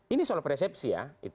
ini soal persepsi ya